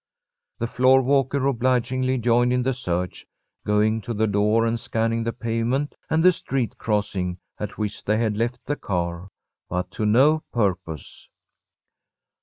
The floor walker obligingly joined in the search, going to the door and scanning the pavement and the street crossing at which they had left the car, but to no purpose.